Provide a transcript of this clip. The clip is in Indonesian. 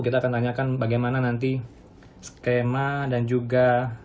kita akan tanyakan bagaimana nanti skema dan juga